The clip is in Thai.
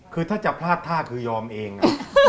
คือถ้าจะพลาดท่าคือยอมเอง